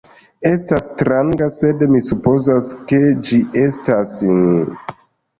Estas stranga, sed mi supozas ke ĝi estas...